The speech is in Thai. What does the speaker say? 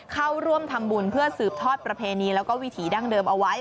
เข้าร่วมทำบุญเพื่อสืบทอดประเพณีแล้วก็วิถีดั้งเดิมเอาไว้